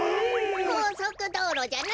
こうそくどうろじゃなくて。